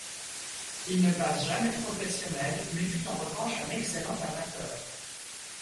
Il ne passe jamais professionnel mais fut en revanche un excellent amateur.